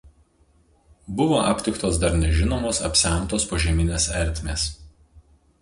Buvo aptiktos dar nežinomos apsemtos požeminės ertmės.